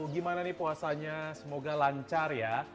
gimana nih puasanya semoga lancar ya